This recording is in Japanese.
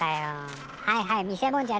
はいはい。